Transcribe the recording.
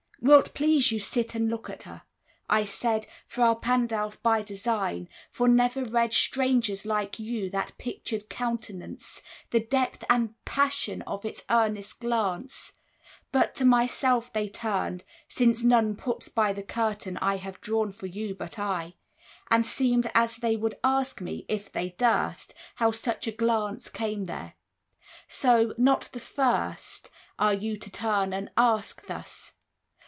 Will't please you sit and look at her? I said "Fra Pandolf" by design, for never read Strangers like you that pictured countenance, The depth and passion of its earnest glance, But to myself they turned (since none puts by the curtain I have drawn for you, but I) 10 And seemed as they would ask me, if they durst, How such a glance came there; so, not the first Are you to turn and ask thus.